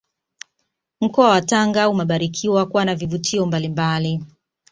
Mkoa wa Tanga umebarikiwa kuwa na vivutio mbalimbali